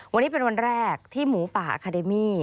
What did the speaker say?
วันนี้เป็นวันแรกที่หมูป่าอาคาเดมี่